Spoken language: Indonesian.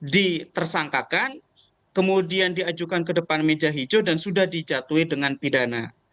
ditersangkakan kemudian diajukan ke depan meja hijau dan sudah dijatuhi dengan pidana